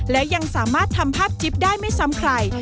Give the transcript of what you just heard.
และยังสามารถทำภาพจิ๊บได้ไม่ซ้ำใคร